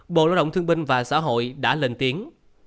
bộ lao động thương binh và xã hội đã lên tiếng